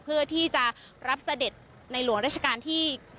เพื่อที่จะรับเสด็จในหลวงราชการที่๗